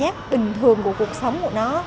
cái cảm giác bình thường của cuộc sống của nó